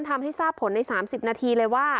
ทำให้ทราบผลใน๓๐นาทีเลยว่า